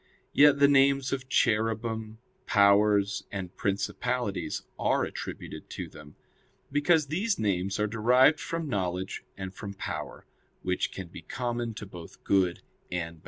Yet the names of Cherubim, Powers, and Principalities are attributed to them; because these names are derived from knowledge and from power, which can be common to both good and bad.